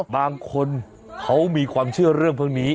บางคนเขามีความเชื่อเรื่องพวกนี้